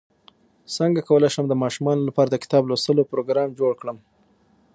څنګه کولی شم د ماشومانو لپاره د کتاب لوستلو پروګرام جوړ کړم